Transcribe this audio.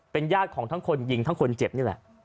ญาติของทั้งคนยิงทั้งคนเจ็บนี่แหละ